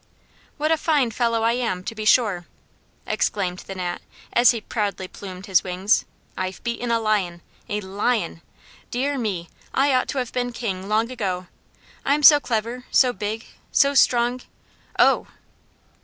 "What a fine fellow am I, to be sure!" exclaimed the Gnat, as he proudly plumed his wings. "I've beaten a lion a lion! Dear me, I ought to have been King long ago, I'm so clever, so big, so strong _oh!